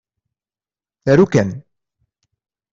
Aru kan!